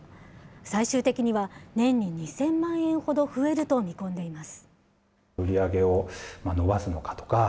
最終的には年に２０００万円ほど増えると見込んでいます。